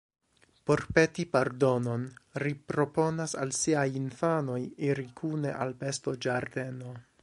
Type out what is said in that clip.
Por peti pardonon, ri proponas al siaj infanoj iri kune al bestoĝardeno.